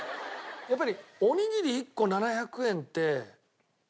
やっぱり。